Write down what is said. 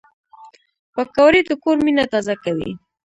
پکورې د کور مینه تازه کوي